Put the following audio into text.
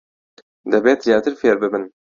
دەبێت زیاتر فێر ببن.